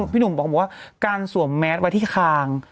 พี่หนุ่มบอกว่าการสวมแมสไว้ที่คาง